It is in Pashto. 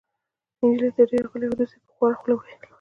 نجلۍ تر دېره غلې وه. وروسته يې په خواره خوله وویل: